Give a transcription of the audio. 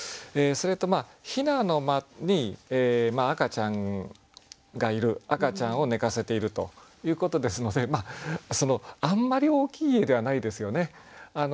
それと「雛の間」に赤ちゃんがいる赤ちゃんを寝かせているということですのであんまり大きい家ではないですよね。